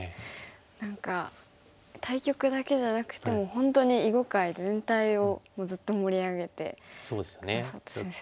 何か対局だけじゃなくて本当に囲碁界全体をもうずっと盛り上げて下さった先生。